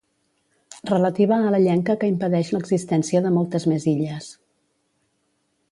Relativa a la llenca que impedeix l'existència de moltes més illes.